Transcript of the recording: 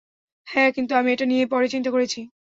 হ্যাঁ, কিন্তু আমি এটা নিয়ে পরে চিন্তা করেছি।